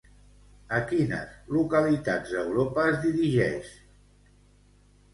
A quines localitats d'Europa es dirigeix?